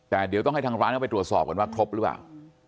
แต่เดี๋ยวต้องให้ทางร้านเข้าไปตรวจสอบก่อนว่าครบหรือเปล่า